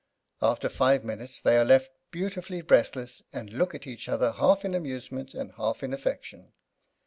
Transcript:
After five minutes they are left beautifully breathless and look at each other half in amusement and half in affection.